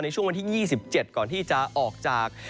ในช่วงวันที่๒๗ก่อนที่จะออกจาก